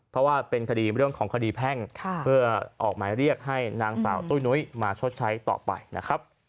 เพราะว่าเป็นคดีเรื่องของคดีแพ่งเพื่อออกหมายเรียกให้นางสาวตุ้ยนุ้ยมาชดใช้ต่อไปนะครับ